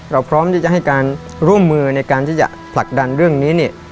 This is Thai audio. พร้อมที่จะให้การร่วมมือในการที่จะผลักดันเรื่องนี้เนี่ย